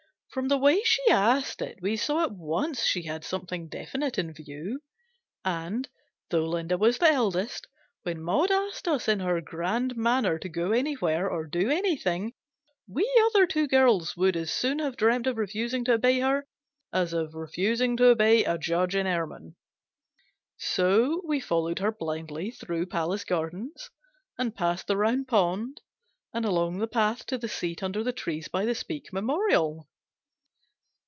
From the way she asked it, we saw at once she had something definite in view ; and, though Linda was the eldest, when Maud asked us in her grand manner to go anywhere, or do anything, we other two girls would as soon have dreamt of refusing to obey her as of refusing to obey a judge in ermine. So we followed her blindly through Palace Gardens, and past the Round Pond, and along the path to the seat under the trees by the Speke Memorial.